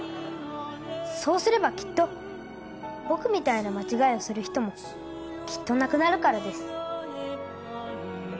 そうすればきっと僕みたいな間違いをする人もきっとなくなるからです